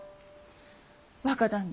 若旦那